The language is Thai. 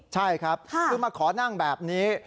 ใช่ครับคือมาขอนั่งแบบนี้